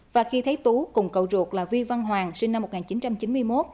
và khi thấy tú cùng cậu ruột là vi văn hoàng sinh năm một nghìn chín trăm chín mươi một